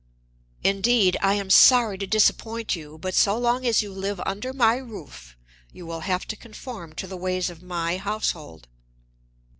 "Indeed. I am sorry to disappoint you, but so long as you live under my roof, you will have to conform to the ways of my household."